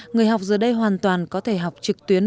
người học giờ đây hoàn toàn có thể học trực tuyến